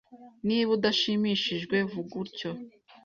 Niba udashimishijwe, vuga utyo.